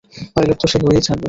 Pilot তো সে হয়েই ছাড়বে।